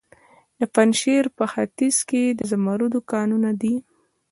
د پنجشیر په خینج کې د زمرد کانونه دي.